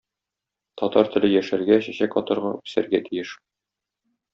Татар теле яшәргә, чәчәк атарга, үсәргә тиеш.